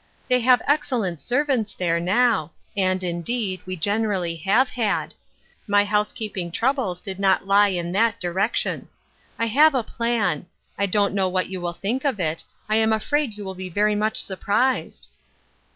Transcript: They have excellent servants there now, and, indeed, we generally have had. My housekeep ing troubles did not lie in that direction. I have 812 Ruth Erskine's Crosses. a plan ; I don't know what you will think of it I am afraid you will be very much surprised